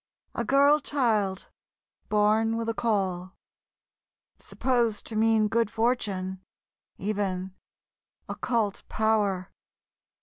A girl child, born with a caul ... supposed to mean good fortune, even occult power.